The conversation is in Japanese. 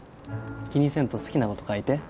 気にせんと好きなこと書いて。